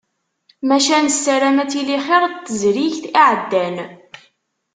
Maca nessaram ad tili xir n tezrigt iɛeddan.